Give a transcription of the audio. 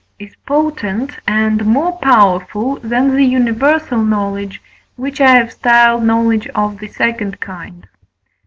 is potent, and more powerful than the universal knowledge, which I have styled knowledge of the second kind.